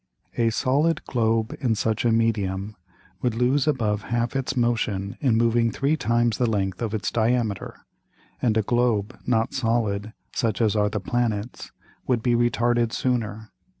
A solid Globe in such a Medium would lose above half its Motion in moving three times the length of its Diameter, and a Globe not solid (such as are the Planets,) would be retarded sooner.